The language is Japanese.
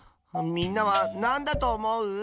みんなはなんだとおもう？